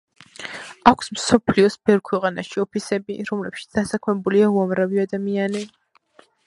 აქვს მსოფლიოს ბევრ ქვეყანაში ოფისები, რომლებშიც დასაქმებულია უამრავი ადამიანი.